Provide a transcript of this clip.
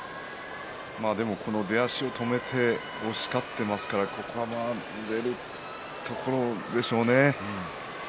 でも、この出足を止めて押し勝ってますからここは出るところでしょうね。